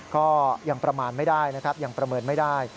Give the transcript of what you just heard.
ก็ยังประมาณไม่ได้นะครับยังประเมินไม่ได้